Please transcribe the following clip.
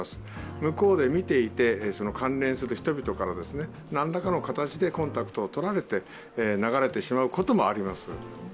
向こうで見ていてその関連する人々から何らかの形でコンタクトを取られて、流れてしまうこともあります。